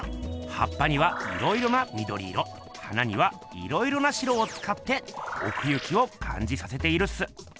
はっぱにはいろいろなみどり色花にはいろいろな白をつかっておく行きをかんじさせているっす。